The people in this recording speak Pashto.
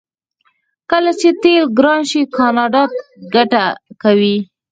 کله چې تیل ګران شي کاناډا ګټه کوي.